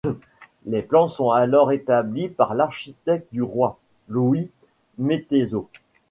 Les plans sont alors établis par l'architecte du roi, Louis Métezeau.